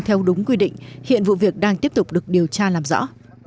theo đúng quy định hiện vụ việc đang tiếp tục được điều tra làm rõ